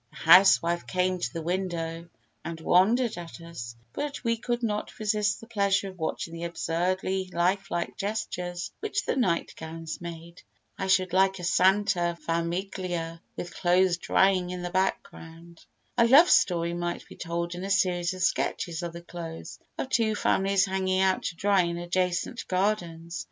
The housewife came to the window and wondered at us, but we could not resist the pleasure of watching the absurdly life like gestures which the night gowns made. I should like a Santa Famiglia with clothes drying in the background. A love story might be told in a series of sketches of the clothes of two families hanging out to dry in adjacent gardens.